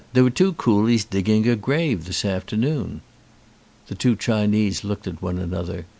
There were two coolies digging a grave this afternoon." The two Chinese looked at one another.